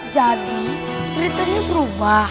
jadi ceritanya berubah